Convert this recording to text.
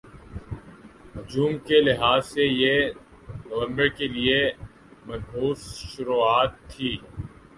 حجم کے لحاظ سے یہ نومبر کے لیے منحوس شروعات تھِی